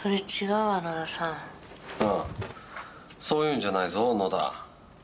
そういうんじゃないぞ野田。